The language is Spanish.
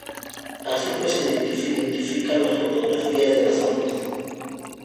Así pues, se identifican las fotografías de las mismas zonas.